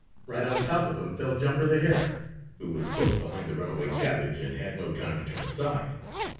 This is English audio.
Right on top of him fell Jumper the Hare, who was close behind the runaway cabbage and had no time to turn aside.